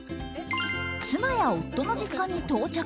妻や夫の実家に到着。